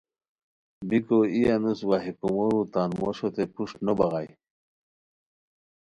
بیکو ای انوس وا ہے کومورو تان موشوتے پروشٹ نوبغائے